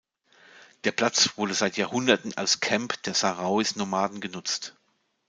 Der Platz wurde seit Jahrhunderten als Camp der Sahrauis-Nomaden genutzt.